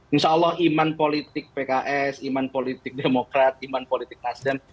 insya allah iman politik pks iman politik demokrat iman politik nasdem